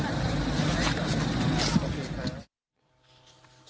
ขอบคุณครับ